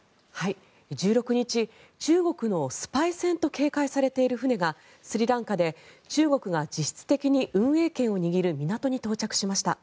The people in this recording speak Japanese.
１６日中国のスパイ船と警戒されている船がスリランカで中国が実質的に運営権を握る港に到着しました。